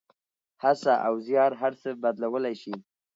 هڅه او زیار هر څه بدلولی شي.